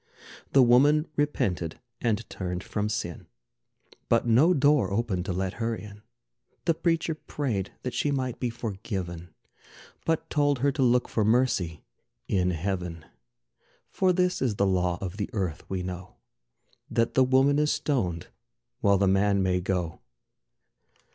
The woman repented and turned from sin, But no door opened to let her in. The preacher prayed that she might be forgiven, But told her to look for mercy in Heaven. For this is the law of the earth, we know: That the woman is stoned, while the man may go.